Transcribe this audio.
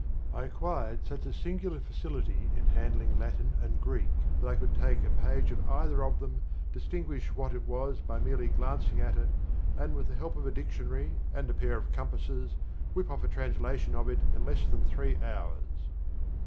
I acquired such a singular facility in handling Latin and Greek that I could take a page of either of them, distinguish which it was by merely glancing at it, and, with the help of a dictionary and a pair of compasses, whip off a translation of it in less than three hours.